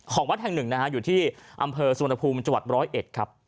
ของวัดแห่งหนึ่งอยู่ที่อำเภอสวนภูมิจังหวัด๑๐๑